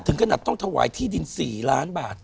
ขนาดต้องถวายที่ดิน๔ล้านบาท